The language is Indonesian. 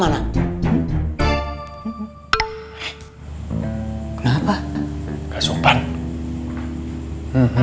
aku nak generator meng visiting packaging untuk ini